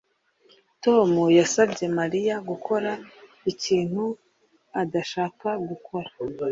Tom yasabye Mariya gukora ikintu adashaka gukora